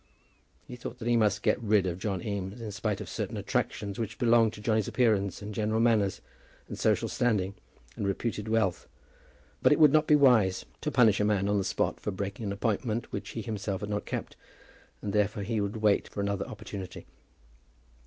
He thought that he must get rid of John Eames, in spite of certain attractions which belonged to Johnny's appearance and general manners, and social standing, and reputed wealth. But it would not be wise to punish a man on the spot for breaking an appointment which he himself had not kept, and therefore he would wait for another opportunity.